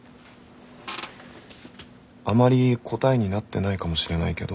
あまり答えになってないかもしれないけど。